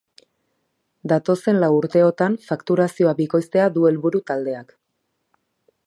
Datozen lau urteotan fakturazioa bikoiztea du helburu taldeak.